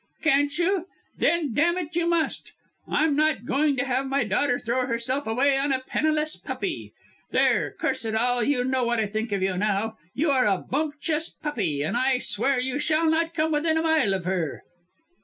"Can't you! Then damn it, you must. I'm not going to have my daughter throw herself away on a penniless puppy. There, curse it all, you know what I think of you now you're a bumptious puppy, and I swear you shall not come within a mile of her."